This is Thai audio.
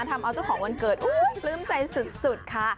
ทำเอาเจ้าของวันเกิดอู้ววววลืมใจสุดค่ะ